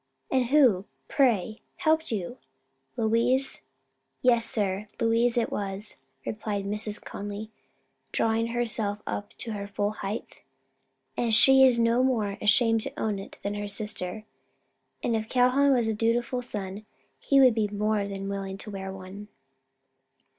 and who, pray, helped you? Louise " "Yes, sir, Louise it was," replied Mrs. Conly drawing herself up to her full height, "and she is no more ashamed to own it, than is her sister. And if Calhoun was a dutiful son he would be more than willing to wear one."